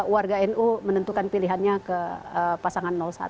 warga nu menentukan pilihannya ke pasangan satu